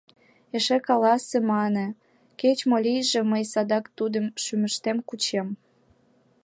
Эше каласе, — мане, — кеч-мо лийже, мый садак тудым шӱмыштем кучем».